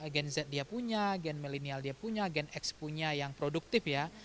gen z dia punya gen milenial dia punya gen x punya yang produktif ya